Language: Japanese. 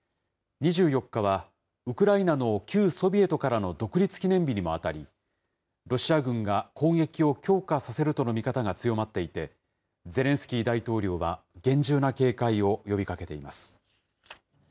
２４日はウクライナの旧ソビエトからの独立記念日にも当たり、ロシア軍が攻撃を強化させるとの見方が強まっていて、ゼレンスキー大統領は厳重な警戒を呼びかけています。